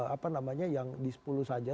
apa namanya yang di sepuluh saja